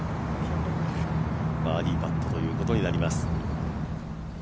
バーディーパットということになります。